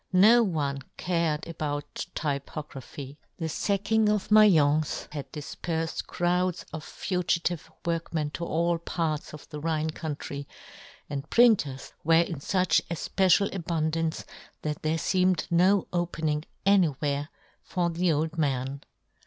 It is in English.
No one cared about typography ; the facking of Maience had difperfed crowds of fugitive workmen to all parts of the Rhine country, and printers were in fuch efpecial abund ance, that there feemed no opening anywhere for the old man.